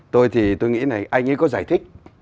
tôi thì tôi nghĩ này anh ấy có giải thích